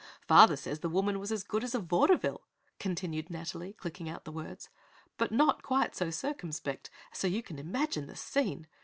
"Father says the woman was as good as a vaudeville," continued Nathalie, clicking out the words, "but not quite so circumspect so you can imagine the scene!